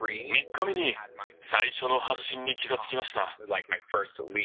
３日目に最初の発疹に気が付きました。